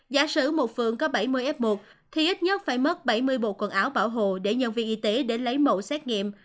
giả sử một phường có bảy mươi f một thì ít nhất phải mất bảy mươi bộ quần áo bảo hộ để nhân viên y tế đến lấy mẫu xét nghiệm